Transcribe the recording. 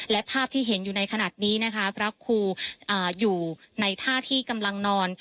และภาพที่เห็นอยู่ในขณะนี้นะคะพระครูอยู่ในท่าที่กำลังนอน